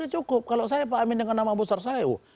cukup kalau saya pak amin dengan nama besar saya